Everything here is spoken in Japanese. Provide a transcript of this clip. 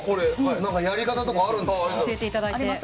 やり方とかあるんですか？